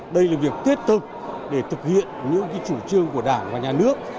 đây là việc thiết thực để thực hiện những chủ trương của đảng và nhà nước